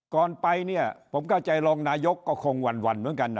ก่อนไปเนี่ยผมเข้าใจรองนายกก็คงหวั่นเหมือนกันนะ